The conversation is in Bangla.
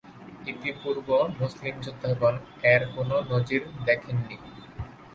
ইতিপূর্বে মুসলিম যোদ্ধাগণ এর কোন নজীর দেখেননি।